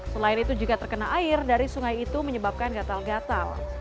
selain itu jika terkena air dari sungai itu menyebabkan gatal gatal